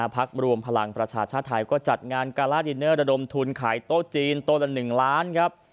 พักรวมพลังประชาชาติไทยก็จัดงานการาดินเนอร์ระดมทุนขายโต๊ะจีนโต๊ะละ๑ล้านครับ